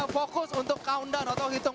fokus untuk counter atau hitung